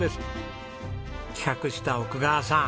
企画した奥川さん